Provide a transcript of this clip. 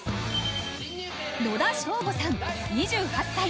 野田昇吾さん２８歳。